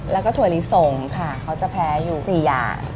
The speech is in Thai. แล้วก็ถั่วลิสงค่ะเขาจะแพ้อยู่๔อย่าง